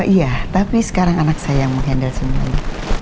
iya tapi sekarang anak saya yang menghandle sendiri